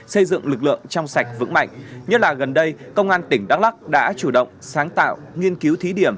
xây dựng lực lượng trong sạch vững mạnh nhất là gần đây công an tỉnh đắk lắc đã chủ động sáng tạo nghiên cứu thí điểm